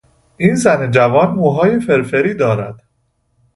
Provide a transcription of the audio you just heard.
این زن جوان موهای فرفری دارد.